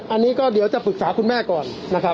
อันนี้เดี๋ยวจะปรึกษาคุณแม่ก่อน